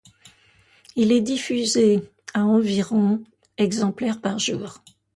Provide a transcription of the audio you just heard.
Il est diffusé à environ exemplaires par jour.